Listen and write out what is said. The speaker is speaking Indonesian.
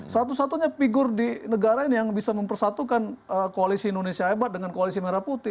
satu satunya figur di negara ini yang bisa mempersatukan koalisi indonesia hebat dengan koalisi merah putih